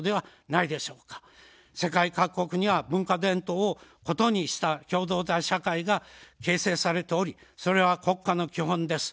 世界各国には文化伝統を異にした共同体社会が形成されており、それは国家の基本です。